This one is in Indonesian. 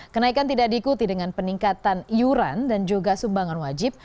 kenaikan tidak diikuti dengan peningkatan iuran dan juga sumbangan wajib